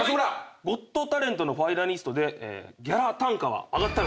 『ゴット・タレント』のファイナリストでギャラ単価は上がったのか？